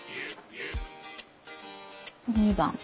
２番。